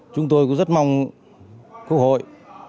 chúng tôi cũng rất mong cơ hội